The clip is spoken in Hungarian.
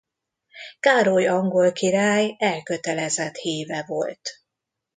Károly angol király elkötelezett híve volt.